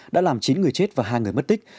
đã làm chín người chết và hai người mất tích